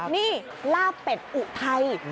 นี่ลาบเป็ดอุทัย